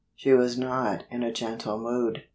She was not in a gentle mood.